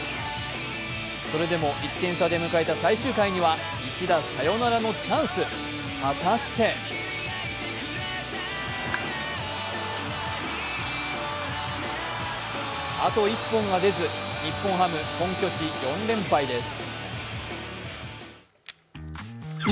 それでも１点差で迎えた最終回には一打サヨナラのチャンス、果たしてあと１本が出ず、日本ハム本拠地４連敗です。